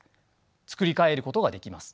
作り変えることができます。